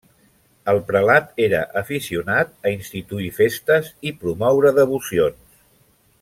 El prelat era aficionat a instituir festes i promoure devocions.